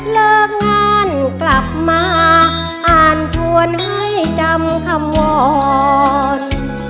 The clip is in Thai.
เลิกงานกลับมาอ่านทวนให้จำคำวอน